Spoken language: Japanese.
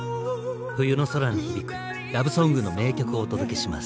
冬の空に響くラブソングの名曲をお届けします。